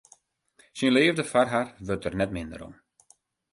Syn leafde foar har wurdt der net minder om.